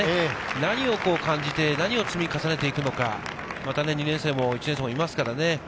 何を感じて、何を積み重ねていくのか、また２年生も１年生もいますからね。